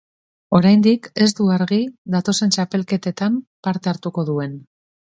Oraindik ez du argi datozen txapelketetan parte hartuko duen.